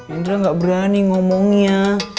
indra gak berani ngomongnya